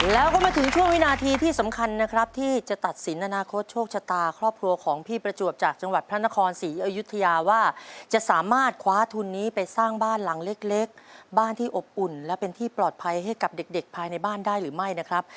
แล้วก็มาถึงช่วงวินาทีที่สำคัญนะครับที่จะตัดสินอนาคตโชคชะตาครอบครัวของพี่ประจวบจากจังหวัดพระนครศรีอยุธยาว่าจะสามารถคว้าทุนนี้ไปสร้างบ้านหลังเล็กบ้านที่อบอุ่นและเป็นที่ปลอดภัยให้กับเด็กภายในบ้านได้หรือไม่นะครับ